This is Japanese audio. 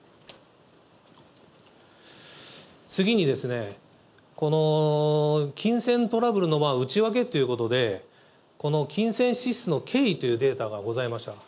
次にですね、この金銭トラブルの内訳ということで、この金銭支出の経緯というのがございました。